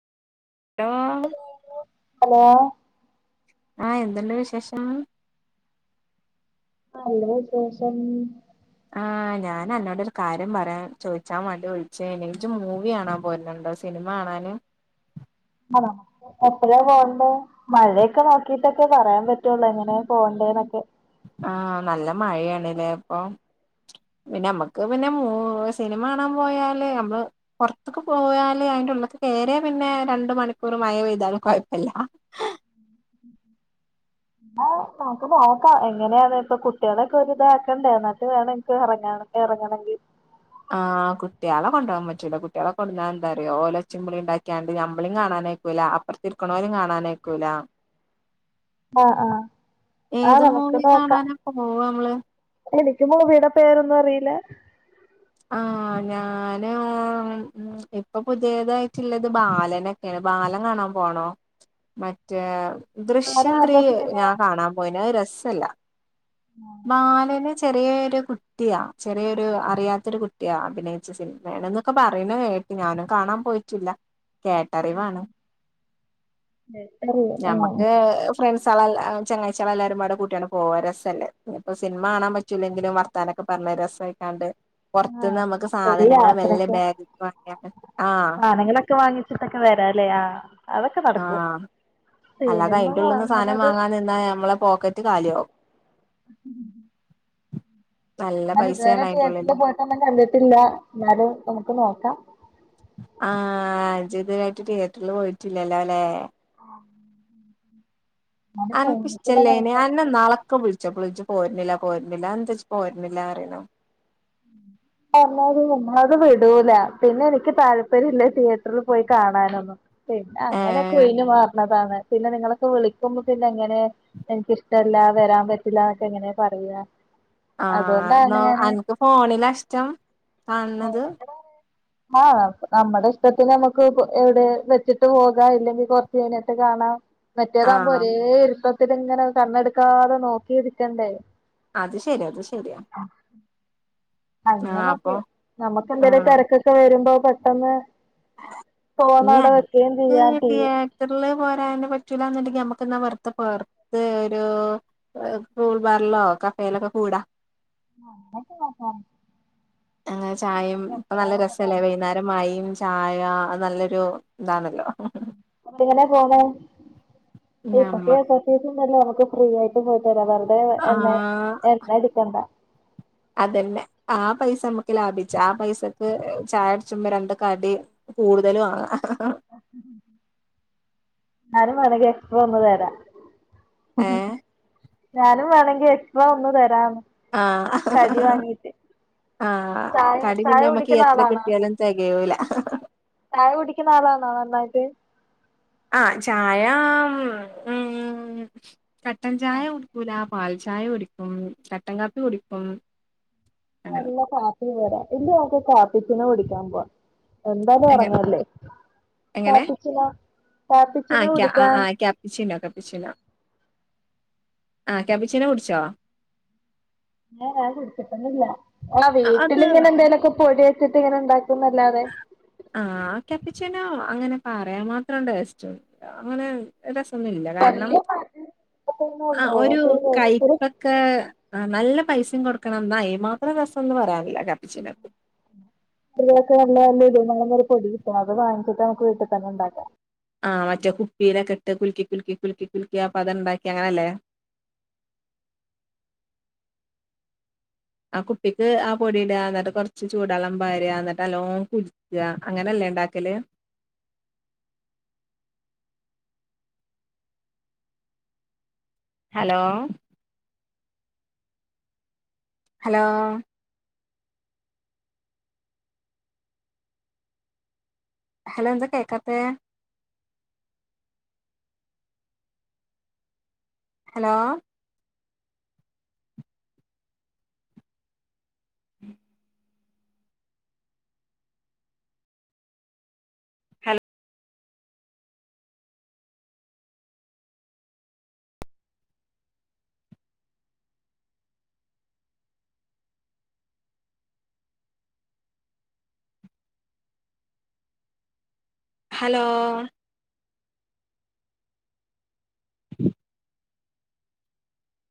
Hello hello. ആഹ് എന്ത്ണ്ട് വിശേഷം. നല്ല വിശേഷം. ആഹ് ഞാൻ അന്നോടൊരു കാര്യം പറയാൻ ചോദിച്ചാൻ വാണ്ടി വിളിച്ചേനി. ഇജ്ജ് മൂവി കാണാൻ പോര്ണ്‌ണ്ടോ സ് സിനിമ കാണാന് ആണോ എപ്പോഴാ പോവണ്ടേ മഴയൊക്കെ നോക്കിട്ടൊക്കെ പറയാൻ പറ്റുള്ളൂ എങ്ങനെയ പോവണ്ടേ ന്നൊക്കെ. ആഹ് നല്ല മഴയാണ് ല്ലേ ഇപ്പം പിന്നെ നമ്മക്ക് പിന്നെ മൂ സിനിമ കാണാൻ പോയാല് നമ്മള് പൊറത്ത്ക്ക് പോയാല് അതിന്റെ ഉള്ളിക്ക് കേറിയാ പിന്നെ രണ്ട് മണിക്കൂറ് മഴ പെയ്താലും കൊഴപ്പല്ല. ആഹ് നമുക്ക് നോക്കാ എങ്ങനെയാണ് ഇപ്പൊ കുട്ടിയളൊക്കെ ഒരിതാക്കണ്ടേ എന്നിട്ട് വേണം എനിക്ക് എറങ്ങാണ്. എറങ്ങണെങ്കി ആഹ് കുട്ടിയേളെ കൊണ്ടോ വാൻ പറ്റൂല. കുട്ടിയേളെ കൊട്ന്നാ എന്താറിയോ ഓലൊച്ചിം ബിളിം ഇണ്ടാക്കിയാണ്ട് നമ്മളിം കാണാനയിക്കൂല. അ പ്പർത്തിര്ക്ക്ണോലിം കാണാനയ്ക്കൂല. ആ ആ ആ ഏത് മൂവി കാണാനാപ്പ പോവ നമ്മള്. എനിക്കും മൂവീടെ പേരൊന്നും അറിയില്ല. ആഹ് ഞാന് ഇപ്പൊ പുതിയതായിട്ടുള്ളത് ബാലനൊ ബാലൻ കാണാൻ പോണോ മ മറ്റേ അത് ദൃശ്യം ത്രീ ആരുടെ സിനിമയാ ഞാൻ കാണാൻ പോയിന്. അത് രസല്ല ബാലന് ചെറിയെ ഒരു കുട്ടിയാ ചെറിയൊരു അറിയാത്തൊരു കുട്ടിയാ അഭിനയി സിനിമയാണെന്നൊക്കെ പറയുന്ന കേട്ട് ഞാനും കാണാൻ പോയിറ്റില്ലാ. കേട്ടറിവാണ് അറിയോ? ആ ഞമ്മക്ക് ഏഹ് ഫ്രണ്ട്സാളെ എൽ ആഹ് ചങ്ങായിച്ചിയാളെ എല്ലാരും പാടെ കൂട്ടിയാണ് പോകാ രസല്ലേ ഇനിപ്പോ സിനിമ കാണാൻ പറ്റൂലെങ്കിലും വർ ത്താനൊക്കെ പറഞ്ഞ് രസായിക്കാണ്ട് ആ പൊറത്ത്ന്ന് നമ്മക്ക് ഒരു സാധനങ്ങള് മെല്ലെ യാത്രക്ക് ബാഗിക്ക് വാങ്ങിയാണ്ട് ആഹ് ക്കെ വാങ്ങിച്ചിട്ടൊക്കെ വരാല്ലേ ആഹ് ആഹ് അല്ലാതെ സിനിമ അതിന്റെ ഉളളിന്ന് സാധനം വാങ്ങണത് വാങ്ങാൻ നിന്നാ നമ്മളെ പോക്കറ്റ് കാലിയാവും ഉം നല്ല ഞാൻ ഇതുവരെ പൈസയാണ് അയിന്റെ ഉള്ളില് തിയേറ്ററിൽ പോയിട്ട് ഒന്നും കണ്ടിട്ടില്ലാ എന്നാലും നമ്മക്ക് നോക്കാം ആഹ് ഇജ്ജ് ഇതുവരായിട്ട് തിയേറ്ററിൽ പോയിട്ടില്ലല്ലോ ല്ലെ [inaudible] എന്നാലും ഫോണിൽ കൂടെ അൻക്കിഷ്ട്ടല്ലേനി നോക്കാം അന്നെന്നാള് ഒക്കെ വിളിച്ചപ്പളും ഇജ്ജ് പോരണില്ലാ പോരണില്ലാ അതെന്താ ഇജ്ജ് പോരണില്ലാന്ന് പറയുന്നെ [inaudible] പറഞ്ഞാലും നമ്മളെ ഒന്നും വിടൂലാ പിന്നെ എനിക്ക് താല്പര്യം ഇല്ല തിയേറ്ററിൽ പോയി കാണാനൊന്നും പിന്നെ അങ്ങനെയൊക്കെ ഏഹ് ഒഴിഞ്ഞ് മാറണതാണ് പിന്നെ നിങ്ങളൊക്കെ വിളിക്കുമ്പോ പിന്നെ എങ്ങനെ എനിക്കിഷ്ട്ടല്ലാ വരാൻ പറ്റില്ലാന്നൊക്കെ എങ്ങനെയാ പറയാ ആഹ് അതുകൊണ്ടാണ് ന്നാ ഞാന് അനക്ക് ഫോണിലാ ഇഷ്ട്ടം കാണണത് ആഹ് നമ് നമ്മടെ ഇഷ്ട്ടത്തിന് നമ്മക്ക് എവിടെ വെച്ചിട്ട് പോകാം ഇല്ലെങ്കി കൊറച്ച് കഴിഞ്ഞിട്ട് കാണാം മറ്റേതാകുമ്പോ ആഹ് ഒരേ ഇരുത്തത്തിലിങ്ങനെ കണ്ണെടുക്കാതെ നോക്കി ഇരിക്കണ്ടെ അത് ശരിയാ അത് ശരിയാ ആഹ് അങ്ങനയൊക്കെ അപ്പൊ നമ്മക്ക് എന്തേലും ആഹ് തെരക്കൊക്കെ വരുമ്പോ പെട്ടെന്ന് ഫോണവിടെ വെക്കേം ചെയ്യാ ടി റ്റിയറ്ററിൽ പോരാൻ പിന്നെ പറ്റൂലാന്നുണ്ടെങ്കില് നമ്മക്ക് എന്നാ വെറുതെ പൊറത്ത് ഒരു ഏഹ് കൂൾ ബാറിലോ കഫേലൊക്കെ കൂടാ ആഹ് അങ്ങനയൊക്കെ നോക്കാം അങ്ങനെ ചായേം ഇപ്പ നല്ല രസ് ല്ലേ വൈന്നേരം മയയും ചായ അത് നല്ലൊരു ഇതാണല്ലോ അപ്പ എങ്ങനെയാ പോണെ ഇപ്പൊ ഞമ്മ പ്രിയദർശിണ്ടല്ലോ നമ്മക്ക് ഫ്രീ ആയി ട്ട് പോയിട്ട് വരാം വെറുതെ എണ്ണ ആഹ് എണ്ണ അടിക്കണ്ടാ അതന്നെ ആ പൈസ നമ്മക്ക് ലാഭിച്ചാ ആ പൈസക്ക് ചായ കുടിച്ചുമ്പ രണ്ടു കടി കൂടുതല് വാങ്ങാ ഞാനും വേണെങ്കി എക്സ്ട്രാ ഒന്നു തരാ ഉം ഏഹ് ഞാനും വേണെങ്കി എക്സ്ട്രാ ഒന്ന് തരാന്ന് കടി ആഹ് വാങ്ങീട്ട് ആഹ് ചായ കടി ചായ പിന്നെ നമ്മക്ക് കുടിക്കുന്ന എത്ര ആളാണോ കിട്ടിയാലും തെകയൂലാ ചായ കുടിക്കുന്ന ആളാണോ നന്നായിട്ട് ആഹ് ചായ ഉം ഉം കട്ടൻ ചായ കുടിക്കൂലാ പാൽ ചായ കുടിക്കും കട്ടൻ കാപ്പി കുടിക്കും അങ്ങനെ നല്ല കാപ്പി വെരാ ഇല്ലേൽ നമ്മക്ക് കാപ്പിച്ചിനോ കുടിക്കാൻ പോവാ എന്താലും എങ്ങനെ എറങ്ങല്ലേ എങ്ങനെ കാപ്പിച്ചിനോ കാപ്പിച്ചിനോ കുടിക്കാൻ ച്ചിണ്ടാക്കാ പ്പിച്ചീനാ ആഹ് കാപ്പിച്ചീന കുടിച്ചോ ഇല്ല ഞാൻ കുടിച്ചിട്ടൊന്നൂല്ല ആഹ് ആ, അത് വീട്ടിലിങ്ങനെ എന്തേലും ഒക്കെ പൊടി വെച്ചിട്ട് ഇങ്ങനെ ഇണ്ടാക്കുന്നല്ലാതെ ആഹ് ആ കാപ്പിച്ചീനോ അങ്ങനെ പറയാൻ മാത്രം ടേസ്റ്റ് ഒന്നുല്ലാ അങ്ങനെ രസം മൊന്നുമില്ല കാരണം വല്യ ആഹ് ഒരു കയ്പ്പ ഒക്കെ നല്ല പൈസയും കൊടുക്കണം എന്നാ അതിനും മാത്രം രസം ഒന്നും പറയാനില്ല കാപ്പിച്ചിനക്ക് പൊക്കെല്ല ഇതിനെരു പൊടി കിട്ടും അത് വാങ്ങിട്ട് നമുക്ക് വീട്ടിൽ തന്നെയുണ്ടാക്കാം ആഹ് മറ്റേ കുപ്പിയിലൊക്കെയിട്ട് കുലുക്കി കുലുക്കി കുലുക്കി കുലുക്കി ആ പത ഉണ്ടാക്കി അങ്ങനെല്ലേ ആ കുപ്പിക്ക് ആ പൊടിയിടുക എന്നിട്ട് കുറച്ച് ചൂടു വെള്ളം പാറുക എന്നിട്ട് നല്ലോണം കുലുക്കാ അങ്ങനെയല്ലേ ഉണ്ടാക്കല് ഹലോ ഹലോ ഹലോ എന്താ കേൾക്കാത്തെ ഹലോ [unintelligible] ഹലോ